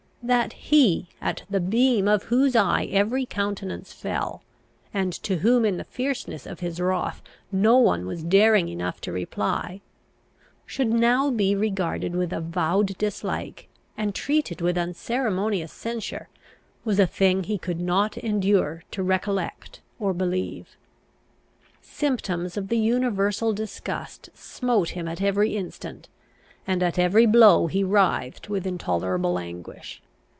That he, at the beam of whose eye every countenance fell, and to whom in the fierceness of his wrath no one was daring enough to reply, should now be regarded with avowed dislike, and treated with unceremonious censure, was a thing he could not endure to recollect or believe. Symptoms of the universal disgust smote him at every instant, and at every blow he writhed with intolerable anguish.